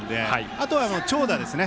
あとは長打ですね。